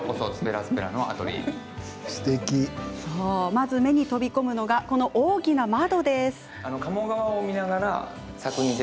まず目に飛び込むのがこの大きな窓。